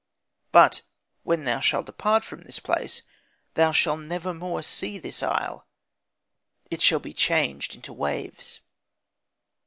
But, when thou shalt depart from this place, thou shalt never more see this isle; it shall be changed into waves.'